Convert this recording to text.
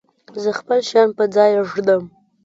زه خپل شیان په ځای ږدم.